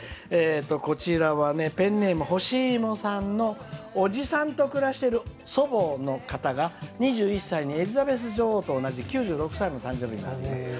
こちらはペンネームほしいもさんのおじさんと暮らしている祖母の方がエリザベス女王と同じ９６歳になります。